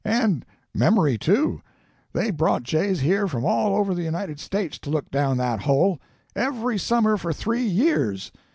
And memory, too. They brought jays here from all over the United States to look down that hole, every summer for three years.